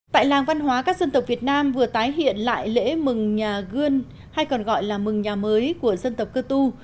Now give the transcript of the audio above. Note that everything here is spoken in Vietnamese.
tại làng văn hóa các dân tộc việt nam vừa tái hiện lại lễ mừng nhà gươn hay còn gọi là mừng nhà mới của dân tộc cơ tu